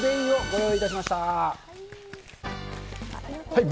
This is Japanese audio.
はい。